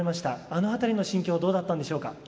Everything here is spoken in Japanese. あのあたりの心境どうだったんでしょうか。